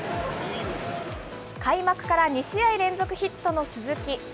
開幕から２試合連続ヒットの鈴木。